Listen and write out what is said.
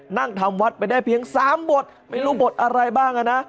นั่งทำวัดไปได้เพียง๓บทไม่รู้บทอะไรบ้างอ่ะนะ